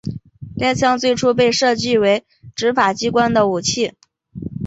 该枪最初被设计为执法机关的武器。